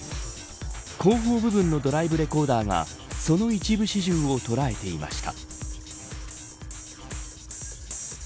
後方部分のドライブレコーダーがその一部始終を捉えていました。